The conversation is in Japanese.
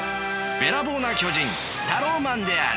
べらぼうな巨人タローマンである。